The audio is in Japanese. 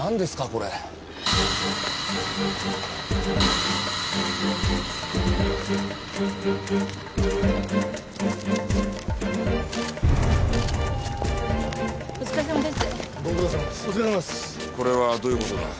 これはどういう事だ？